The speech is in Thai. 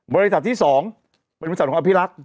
บริษัทที่๒เป็นของอภิลักษณ์